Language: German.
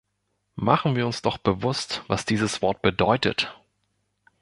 Machen wir uns doch bewusst, was dieses Wort bedeutet!